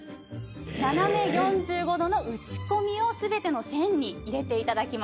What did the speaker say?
斜め４５度のうちこみを全ての線に入れていただきます。